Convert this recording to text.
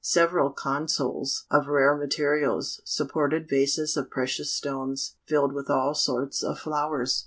Several consoles, of rare materials, supported vases of precious stones, filled with all sorts of flowers.